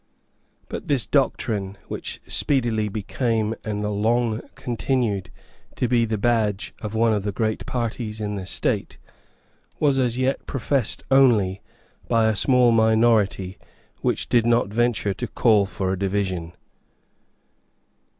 But this doctrine, which speedily became and long continued to be the badge of one of the great parties in the state, was as yet professed only by a small minority which did not venture to call for a division.